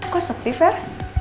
kok sepi fer